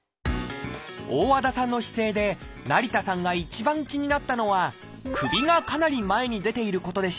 大和田さんの姿勢で成田さんが一番気になったのは首がかなり前に出ていることでした。